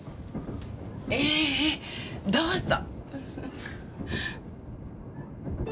ええええどうぞ！